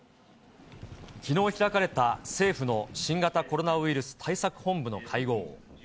きのう開かれた政府の新型コロナウイルス対策本部の会合。